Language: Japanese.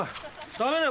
ダメだよ！